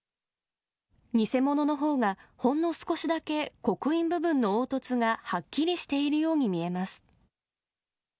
偽物のほうが、ほんの少しだけ刻印部分の凹凸がはっきりしているように見えます。